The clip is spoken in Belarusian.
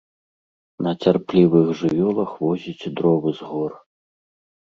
На цярплівых жывёлах возіць дровы з гор.